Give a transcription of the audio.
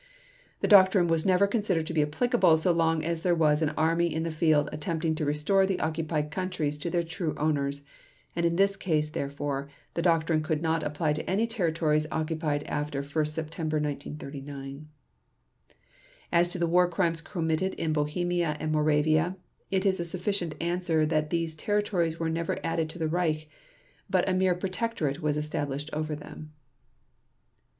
The doctrine was never considered to be applicable so long as there was an army in the field attempting to restore the occupied countries to their true owners, and in this case, therefore, the doctrine could not apply to any territories occupied after 1 September 1939. As to the War Crimes committed in Bohemia and Moravia, it is a sufficient answer that these territories were never added to the Reich, but a mere protectorate was established over them.